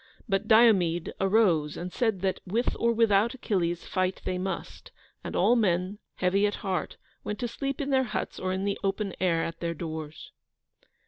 But Diomede arose and said that, with or without Achilles, fight they must; and all men, heavy at heart, went to sleep in their huts or in the open air at their doors.